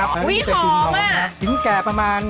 เม็ดพริกหอมเครื่องยาจีนเหรออุ๊ยหอมมาก